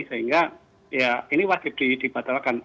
sehingga ini wajib dibatalkan